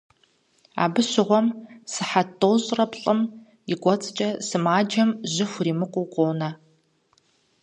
Абы щыгъуэм, сыхьэт тӏощӏрэ плӏым и кӀуэцӀкӏэ сымаджэм жьы хуримыкъуу къонэ.